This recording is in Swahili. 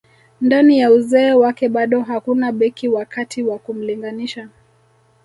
Ndani ya uzee wake bado hakuna beki wa kati wa kumlinganisha